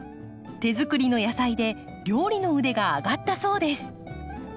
手作りの野菜で料理の腕が上がったそうです。